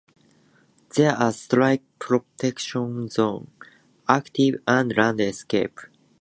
There are strict protection zone, active and landscape.